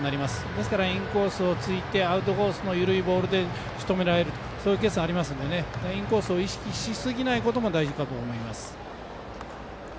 ですからインコースをついてアウトコースの緩いボールでしとめられるケースがありますのでインコースを意識しすぎないことも大事だと思います。